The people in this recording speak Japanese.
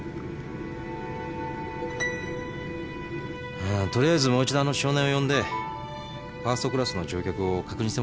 あーとりあえずもう一度あの少年を呼んでファーストクラスの乗客を確認してもらおうぜ。